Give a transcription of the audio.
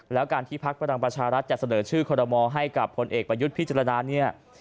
แล้วการที่พักพลังประชารัฐจะเสนอชื่อคอรมอให้กับพลเอกประยุทธ์พิจารณาเนี่ย